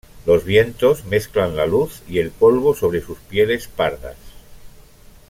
Los vientos mezclan la luz y el polvo sobre sus pieles pardas.